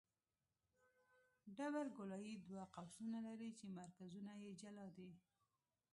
ډبل ګولایي دوه قوسونه لري چې مرکزونه یې جلا دي